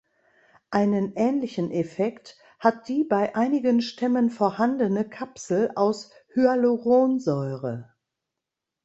Einen ähnlichen Effekt hat die bei einigen Stämmen vorhandene Kapsel aus Hyaluronsäure.